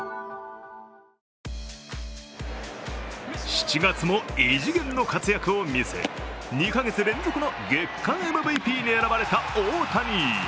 ７月も異次元の活躍を見せ２か月連続の月間ＭＶＰに選ばれた大谷。